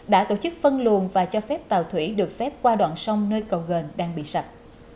đã tổ chức phân luồn và cho phép tàu thủy được phép qua đoạn sông nơi cầu gần đang bị sập